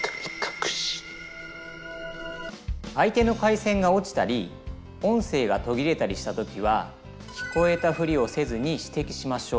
相手の回線が落ちたり音声が途切れたりした時は聞こえたふりをせずにしてきしましょう。